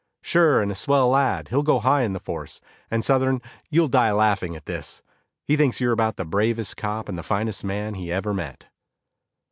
"Sure, and a swell lad; he'll go high on the force. And Southern, you'll die laughing at this he thinks you're about the bravest cop and finest man he ever met."